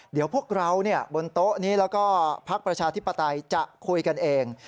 เดี๋ยวพวกเราบนโต๊ะนี้แล้วก็พักประชาธิปไตยจะคุยกันเอง